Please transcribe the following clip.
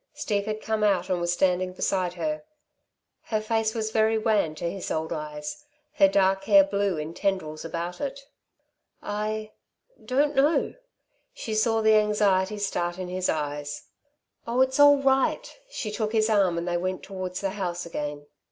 Steve had come out and was standing beside her. Her face was very wan to his old eyes; her dark hair blew in tendrils about it. "I don't know!" She saw the anxiety start in his eyes. "Oh, it's all right!" She took his arm and they went towards the house again.